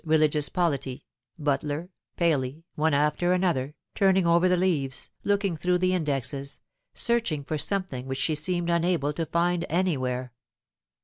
Religious Polity, Butler, Paley one after another, turning over the leaves, looking through the indexes searching for some thing which she seemed unable to find anywhere.